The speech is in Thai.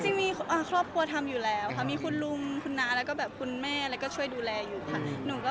จริงมีครอบครัวทำอยู่แล้วค่ะมีคุณลุงคุณน้าแล้วก็แบบคุณแม่อะไรก็ช่วยดูแลอยู่ค่ะ